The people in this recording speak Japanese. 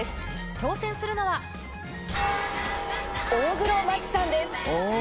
挑戦するのは、大黒摩季さんです。